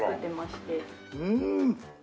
うん！